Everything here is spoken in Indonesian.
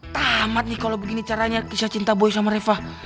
tamat nih kalau begini caranya kisah cinta boy sama reva